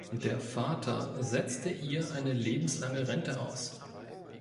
Der Vater setzte ihr eine lebenslange Rente aus.